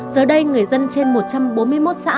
giờ đây người dân trên một trăm bốn mươi một xã